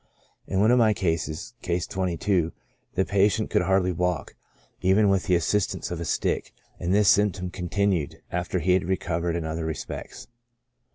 In one of my cases (Case 22) the patient could hardly walk, even with the assistance of a stick, and this symptom continued after he had recovered in other re spects.